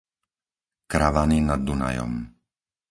Kravany nad Dunajom